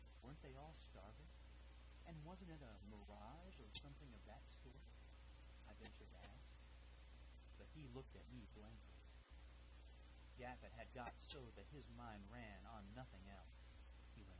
"Weren't they all starving, and wasn't it a mirage or something of that sort?" I ventured to ask. But he looked at me blankly. "Gaffett had got so that his mind ran on nothing else," he went on.